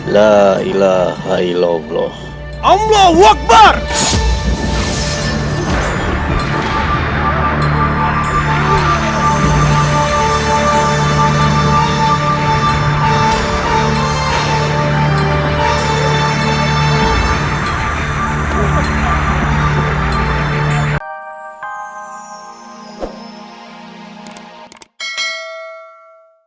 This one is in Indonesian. la ilahaillallah allah wabarakatuh